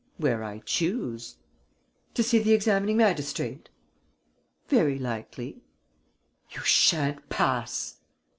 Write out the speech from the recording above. "Where I choose." "To see the examining magistrate?" "Very likely." "You sha'n't pass!"